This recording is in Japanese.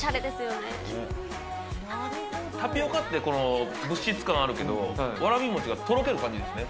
タピオカって、物質感あるけど、わらびもちがとろける感じですね。